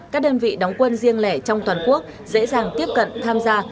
các đơn vị đóng quân riêng lẻ trong toàn quốc dễ dàng tiếp cận tham gia